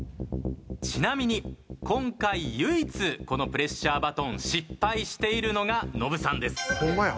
ちなみに今回唯一このプレッシャーバトン失敗しているのがノブさんです。